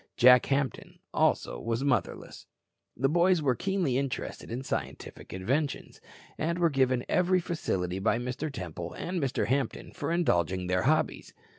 Jack Hampton also was motherless. The boys were keenly interested in scientific inventions, and were given every facility by Mr. Temple and Mr. Hampton for indulging their hobbies.